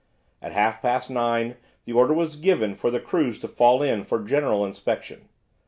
At half past nine the order was given for the crews to fall in for general inspection.